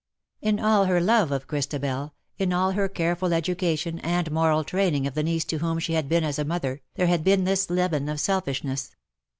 In 196 IN SOCIETY. all her love of Christabel^ in all her careful educa tion and moral training of the niece to whom she had been as a mother^ there had been this leaven of selfishness.